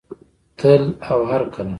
تل او هرکله.